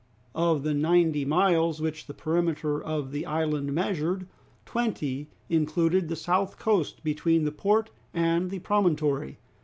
Of the ninety miles which the perimeter of the island measured, twenty included the south coast between the port and the promontory.